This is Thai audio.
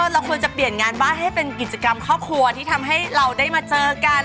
เราควรจะเปลี่ยนงานบ้านให้เป็นกิจกรรมครอบครัวที่ทำให้เราได้มาเจอกัน